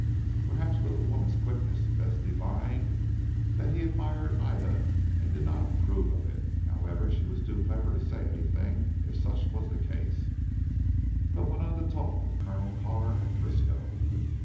Perhaps with a woman's quickness Bess divined that he admired Ida and did not approve of it. However she was too clever to say anything if such was the case, but went on to talk of Colonel Carr and Frisco.